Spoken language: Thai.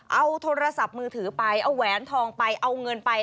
เอาโทรศัพท์มือถือไปเอาแหวนทองไปเอาเงินไป